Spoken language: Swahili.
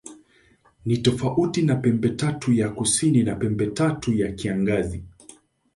Ni tofauti na Pembetatu ya Kusini au Pembetatu ya Kiangazi.